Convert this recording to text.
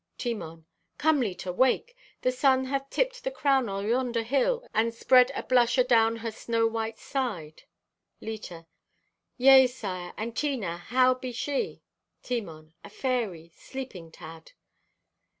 (Timon) "Come, Leta, wake! The sun hath tipped the crown o' yonder hill and spread a blush adown her snow white side." (Leta) "Yea, sire. And Tina, how be she?" (Timon) "A fairy, sleeping, Tad."